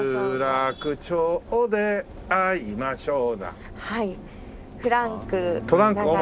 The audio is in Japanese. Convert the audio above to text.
「有楽町で逢いましょう」